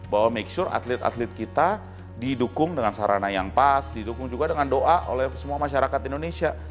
bahwa make sure atlet atlet kita didukung dengan sarana yang pas didukung juga dengan doa oleh semua masyarakat indonesia